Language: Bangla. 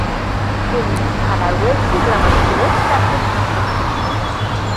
তিনি ঘানার ওয়েসলি গ্রামার স্কুলের প্রাক্তন শিক্ষার্থী।